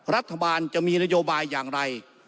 รัฐบาลจะมีนโยบายอย่างไร